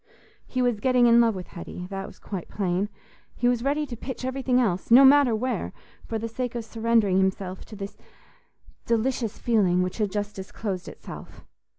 He was getting in love with Hetty—that was quite plain. He was ready to pitch everything else—no matter where—for the sake of surrendering himself to this delicious feeling which had just disclosed itself.